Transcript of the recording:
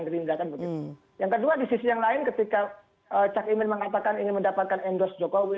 gerindra kan begitu yang kedua di sisi yang lain ketika cak imin mengatakan ingin mendapatkan endorse jokowi